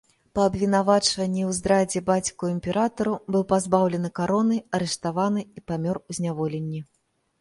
Па абвінавачванні ў здрадзе бацьку імператару быў пазбаўлены кароны, арыштаваны і памёр у зняволенні.